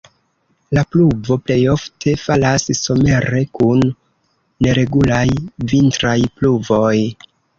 La pluvo plejofte falas somere, kun neregulaj vintraj pluvoj.